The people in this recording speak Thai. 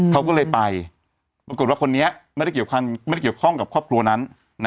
เขาก็เลยไปปรากฏว่าคนนี้ไม่ได้เกี่ยวข้องกับครอบครัวนั้น